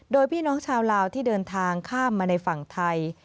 โดยพี่น้องชาวลาวที่เดินทางข้ามมาในฝั่งไทย